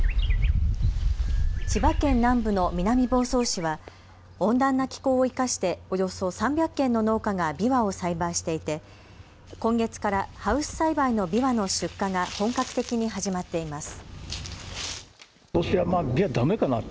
千葉県南部の南房総市は温暖な気候を生かしておよそ３００軒の農家がびわを栽培していて、今月からハウス栽培のびわの出荷が本格的に始まっています。